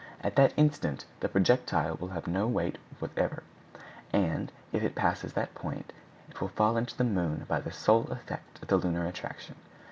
At that instant the projectile will have no weight whatever; and, if it passes that point, it will fall into the moon by the sole effect of the lunar attraction.